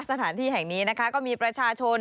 สถานที่แห่งนี้นะคะก็มีประชาชน